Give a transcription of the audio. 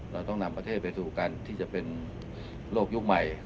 เราต้องนำประเทศไปสู่การที่จะเป็นโลกยุคใหม่